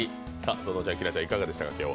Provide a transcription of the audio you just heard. ゾノちゃん、きらこちゃん、いかがでしたか？